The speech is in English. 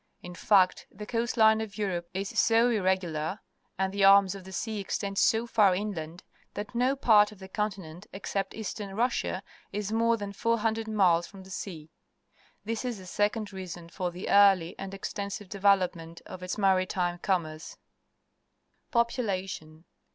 In fact, the coast Une of Europe is so irreg ular, and the arms of the sea extend so far in land that no part of the continent, except east ern Russia, ismore than four hundred miles from the sea. This is a second reason for the early and extensive development of its maritime commerce. Population.